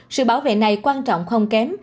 sự bảo vệ này quan trọng không kém